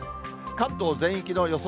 関東全域の予想